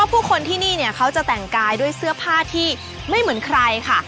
ผู้คนที่นี่เขาจะแต่งกายด้วยเสื้อผ้าที่ไม่เหมือนใครค่ะ